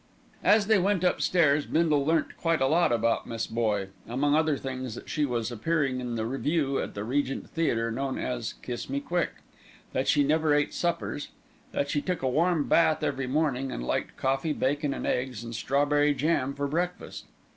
As they went upstairs, Bindle learnt quite a lot about Miss Boye, among other things that she was appearing in the revue at the Regent Theatre known as "Kiss Me Quick," that she never ate suppers, that she took a warm bath every morning, and liked coffee, bacon and eggs and strawberry jam for breakfast.